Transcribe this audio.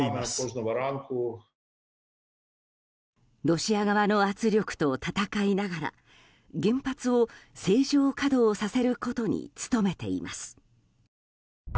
ロシア側の圧力と戦いながら原発を正常稼働させることに努めています。